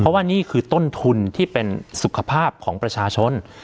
เพราะว่านี่คือต้นทุนที่เป็นสุขภาพของประชาชน